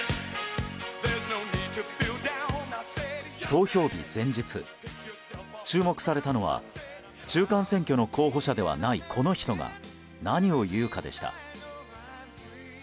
投票日前日、注目されたのは中間選挙の候補者ではないこの人が何を言うかでした。